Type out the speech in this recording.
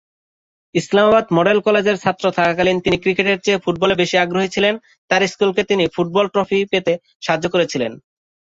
Islamabad model কলেজের ছাত্র থাকাকালীন তিনি ক্রিকেটের চেয়ে ফুটবলে বেশি আগ্রহী ছিলেন, তার স্কুলকে তিনি ফুটবল ট্রফি পেতে সাহায্য করেছিলেন।